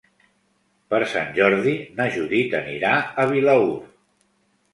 Per Sant Jordi na Judit anirà a Vilaür.